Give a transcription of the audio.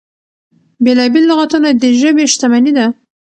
بېلا بېل لغتونه د ژبې شتمني ده.